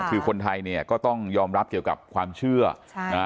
คือคนไทยเนี่ยก็ต้องยอมรับเกี่ยวกับความเชื่อใช่นะฮะ